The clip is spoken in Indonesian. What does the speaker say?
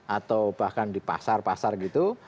atau bahkan di pasar pasar gitu